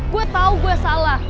gue tau gue salah